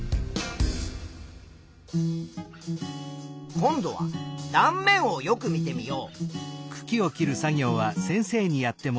今度は断面をよく見てみよう。